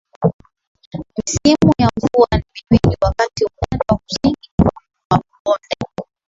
misimu ya mvua ni miwili wakati upande wa Kusini wa bonde